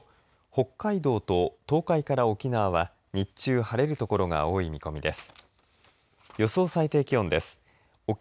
北海道と東海から沖縄は日中、晴れるところが多い見込みです。